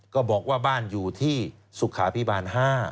ก็บอกว่าบ้านอยู่ที่สุขาพิบาล๕